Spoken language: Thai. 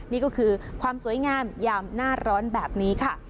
นี่ก็คือความสวยงามยามหน้าร้อนแบบนี้ค่ะ